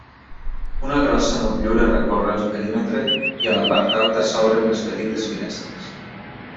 Una grossa motllura recorre el perímetre i a la part alta s'obren les petites finestres.